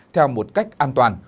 theo một cách an toàn